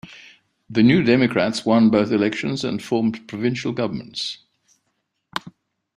The New Democrats won both elections and formed provincial governments.